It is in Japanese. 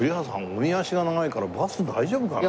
おみ足が長いからバス大丈夫かな？